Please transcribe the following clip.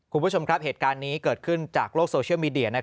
คุณผู้ชมครับเหตุการณ์นี้เกิดขึ้นจากโลกโซเชียลมีเดีย